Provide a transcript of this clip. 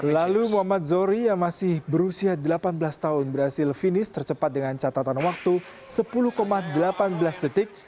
lalu muhammad zohri yang masih berusia delapan belas tahun berhasil finish tercepat dengan catatan waktu sepuluh delapan belas detik